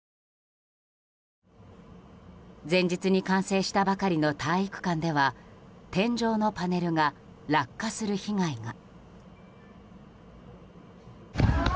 前日に完成したばかりの体育館では天井のパネルが落下する被害が。